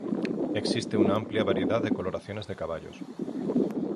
Existe una amplia variedad de coloraciones de caballos.